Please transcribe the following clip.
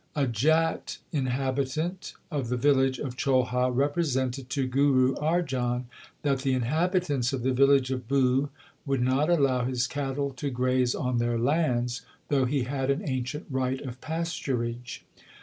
A Jat inhabitant of the village of Cholha repre sented to Guru Arjan that the inhabitants of the village of Buh would not allow his cattle to graze on their lands, though he had an ancient right of pasturage.